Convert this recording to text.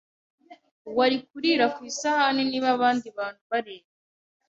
Wari kurira ku isahani niba abandi bantu bareba.